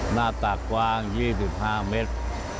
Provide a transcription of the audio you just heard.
หน้าตากว้าง๒๕เมตร